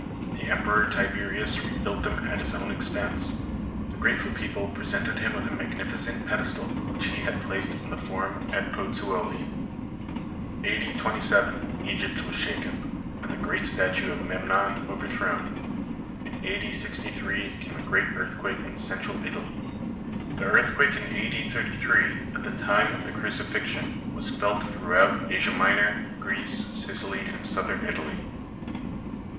The Emperor Tiberius rebuilt them at his own expense. The grateful people presented him with a magnificent pedestal, which he had placed in the forum at Pozzuoli. A. D. 27 Egypt was shaken, and the great statue of Memnon overthrown. In A. D. 63 came a great earthquake in Central Italy. The earthquake in A. D. 33, at the time of the crucifixion, was felt throughout Asia Minor, Greece, Sicily and Southern Italy.